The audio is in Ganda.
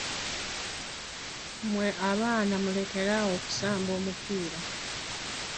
Mwe abaana mulekere awo okusamba omupiira.